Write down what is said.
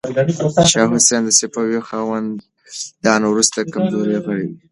شاه حسین د صفوي خاندان وروستی کمزوری غړی و.